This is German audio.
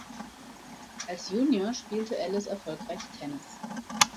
Als Junior spielte Ellis erfolgreich Tennis.